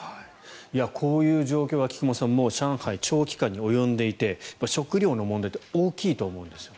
こういう状況は菊間さん上海は長期間に及んでいて食料の問題って大きいと思うんですね。